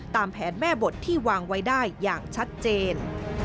ตามแผนแม่บทที่วางไว้ได้อย่างชัดเจน